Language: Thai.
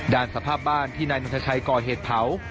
สภาพบ้านที่นายนนทชัยก่อเหตุเผา